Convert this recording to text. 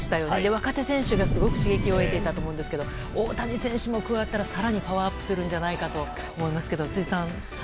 若手選手がすごく刺激を得ていたと思うんですけど大谷選手も加わったら更にパワーアップするんじゃないかと思いますが辻さん。